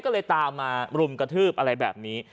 ก็เลยลุมกระทืบอะไรแบบนี้